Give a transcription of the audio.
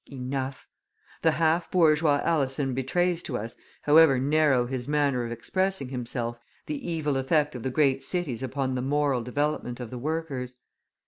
Enough! The half bourgeois Alison betrays to us, however narrow his manner of expressing himself, the evil effect of the great cities upon the moral development of the workers.